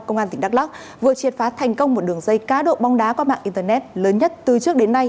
công an tỉnh đắk lắc vừa triệt phá thành công một đường dây cá độ bóng đá qua mạng internet lớn nhất từ trước đến nay